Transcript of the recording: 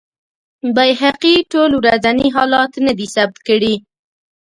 بیهقي ټول ورځني حالات نه دي ثبت کړي.